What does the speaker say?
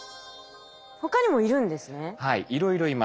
他にもいるんですね。